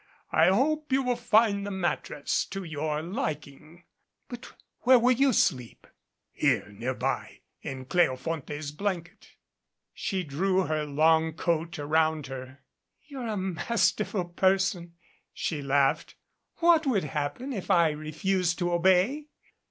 I hope you will find the mattress to your liking." "But where will you sleep?" "Here ; nearby in Cleofonte's blanket." She drew her long coat around her. 151 MADCAP "You're a masterful person," she laughed. "What would happen if I refused to obey?'